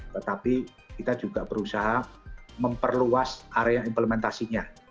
tetapi kita juga berusaha memperluas area implementasinya